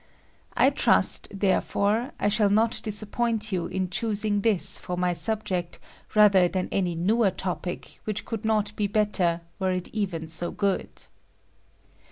I trust, therefore, I shall not disappoint you in choosing this for my sub ject rather than any newer topic, which could not be better, were it even so good.